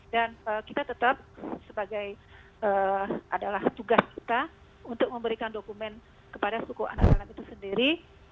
dan kita tetap sebagai adalah tugas kita untuk memberikan dokumen kepada suku anak dalam itu sendiri